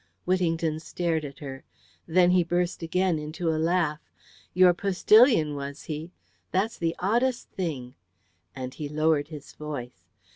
Whittington stared at her. Then he burst again into a laugh. "Your postillion, was he? That's the oddest thing," and he lowered his voice.